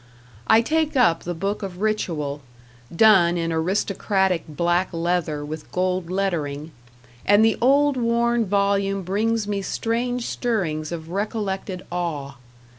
I take up the book of ritual, done in aristocratic black leather with gold lettering, and the old worn volume brings me strange stirrings of recollected awe.